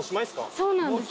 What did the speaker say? そうなんです。